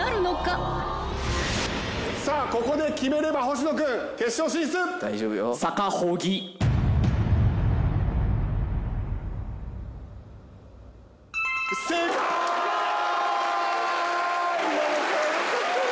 さあここで決めれば星野君決勝進出。イェイ！